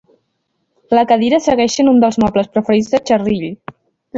La cadira segueix sent un dels mobles preferits de Cherrill.